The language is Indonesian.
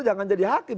jangan jadi hakim